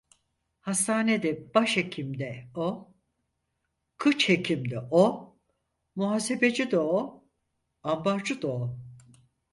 Hastanede başhekim de o, kıç hekim de o, muhasebeci de o, ambarcı da o…